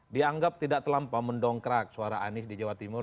dianggap tidak terlampau mendongkrak suara anies di jawa timur